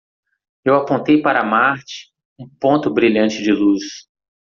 Eu apontei para Marte? um ponto brilhante de luz.